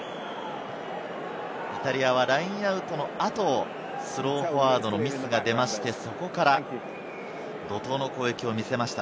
イタリアはラインアウトのあと、スローフォワードのミスが出まして、そこから怒涛の攻撃を見せました。